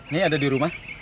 nyai ada di rumah